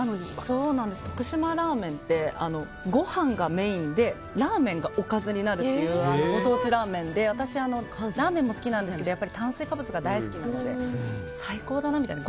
徳島ラーメンってご飯がメインでラーメンがおかずになるっていうご当地ラーメンで私、ラーメンも好きなんですけど炭水化物が大好きなので最高だなみたいな。